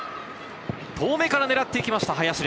遠目から狙っていきました、林。